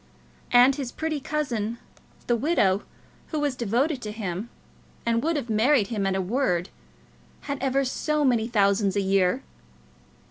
And his pretty cousin, the widow, who was devoted to him, and would have married him at a word, had ever so many thousands a year!